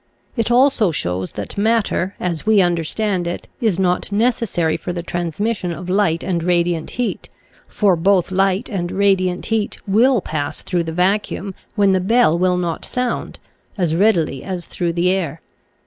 It also shows that matter, as we understand it, is not necessary for the transmission of light and radiant heat, for both light and radiant heat will pass through the vacuum, when the bell will not sound, as readily as through the air.